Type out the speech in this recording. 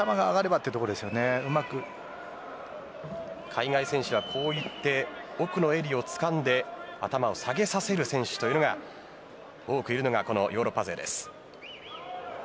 海外選手はこう言って奥の襟をつかんで頭を下げさせる選手というのが多くいるのがヨーロッパ勢です。